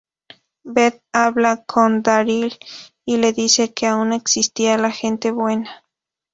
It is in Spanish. Beth habla con Daryl y le dice que aún existía la gente buena.